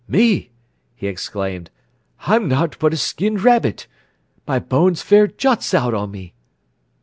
"Me!" he exclaimed. "I'm nowt b'r a skinned rabbit. My bones fair juts out on me."